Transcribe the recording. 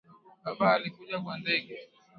Baba alikuja kwa ndege